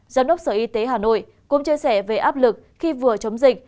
giám đốc sở y tế hà nội cũng chia sẻ về áp lực khi vừa chống dịch